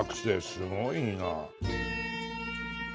すごいな。